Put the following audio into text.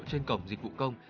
trên cổng dịch vụ công